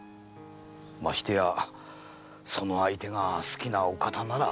ましてやその相手が好きなお方ならとても。